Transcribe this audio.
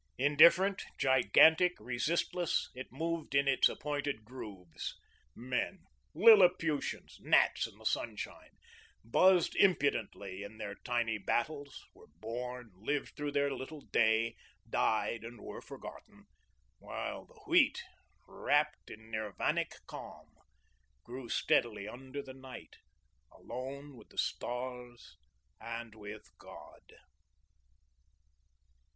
Indifferent, gigantic, resistless, it moved in its appointed grooves. Men, Liliputians, gnats in the sunshine, buzzed impudently in their tiny battles, were born, lived through their little day, died, and were forgotten; while the Wheat, wrapped in Nirvanic calm, grew steadily under the night, alone with the stars and with God.